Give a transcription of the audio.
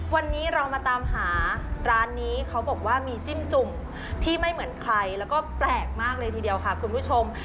วันนี้เรามาตามหาร้านนี้เขาบอกว่ามีจิ้มจุ่มที่ไม่เหมือนใครแล้วก็แปลกมากเลยทีเดียวค่ะคุณผู้ชม